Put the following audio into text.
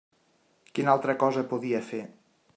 Quina altra cosa podia fer?